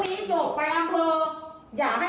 พี่อยากเลือกน้องเขากูไปเลือกอันนี้ก็เลือกของพวกพี่